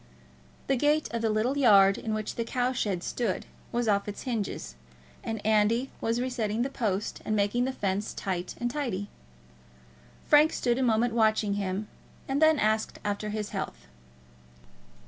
The gate of the little yard in which the cow shed stood was off its hinges, and Andy was resetting the post and making the fence tight and tidy. Frank stood a moment watching him, and then asked after his health.